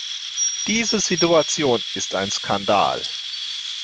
Diese Situation ist ein Skandal.